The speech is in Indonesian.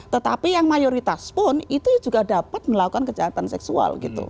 tetapi yang mayoritas pun itu juga dapat melakukan kejahatan seksual gitu